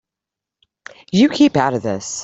You keep out of this.